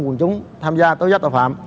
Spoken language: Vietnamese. quân chúng tham gia tối giác tàu phạm